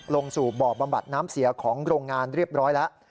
ลงสู่บ่อบำบัดน้ำเสียของโรงงานเรียบร้อยแล้ว